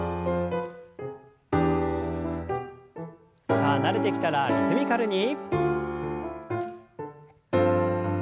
さあ慣れてきたらリズミカルに。